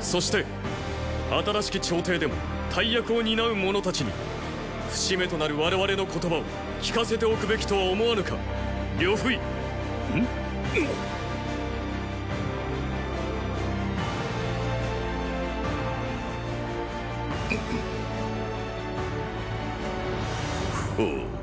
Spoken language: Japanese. そして新しき朝廷でも大役を担う者たちに節目となる我々の言葉を聞かせておくべきとは思わぬか呂不韋。⁉ーーほう。